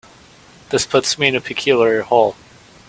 This puts me in a peculiar hole.